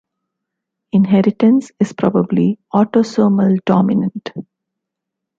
Inheritance is probably autosomal dominant.